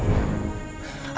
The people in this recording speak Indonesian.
aku sudah berpikir